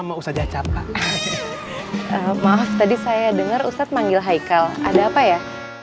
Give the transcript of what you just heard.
maaf tadi saya dengar ustadz manggil haikal ada apa ya